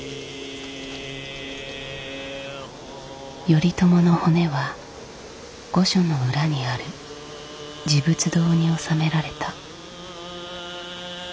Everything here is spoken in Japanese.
頼朝の骨は御所の裏にある持仏堂に納められた。